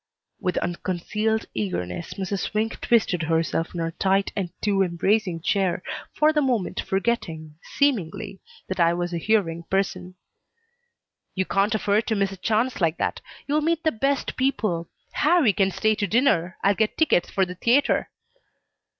With unconcealed eagerness Mrs. Swink twisted herself in her tight and too embracing chair, for the moment forgetting, seemingly, that I was a hearing person. "You can't afford to miss a chance like that. You'll meet the best people. Harrie can stay to dinner. I'll get tickets for the theatre."